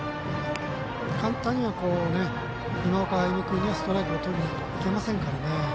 簡単には今岡歩夢君にはストライクをとりにいけませんから。